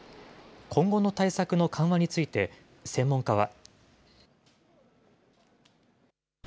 今後の対策の緩和について、専門家は。